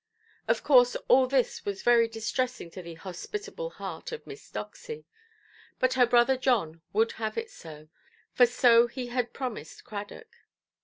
Of course all this was very distressing to the hospitable heart of Miss Doxy; but her brother John would have it so, for so he had promised Cradock.